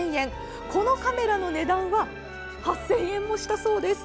このカメラの値段は８０００円もしたそうです。